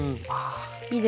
いいですよね。